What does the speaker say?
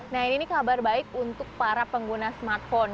nah ini kabar baik untuk para pengguna smartphone